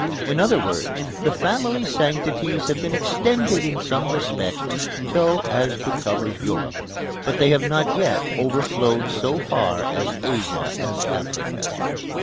In other words the family sanctities have been extended in some respects so as to cover Europe, but they have not yet overflowed so far as Asia and Africa.